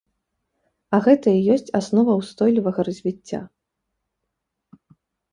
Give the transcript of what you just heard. А гэта і ёсць аснова ўстойлівага развіцця!